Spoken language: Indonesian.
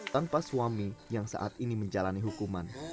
tanpa suami yang saat ini menjalani hukuman